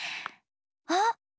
あっ！